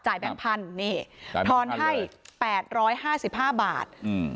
จ่ายแปลงพันธุ์ทอนให้๘๕๕บาท